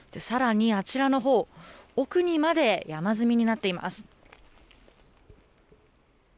さらにあちらのほう、奥にまで山積みになっています。